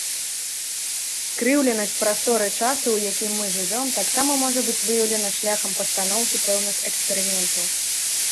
Скрыўленасць прасторы-часу, у якім мы жывём, таксама можа быць выяўлена шляхам пастаноўкі пэўных эксперыментаў.